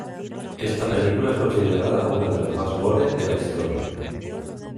Esta película es considerada una de las más "gore" de la historia.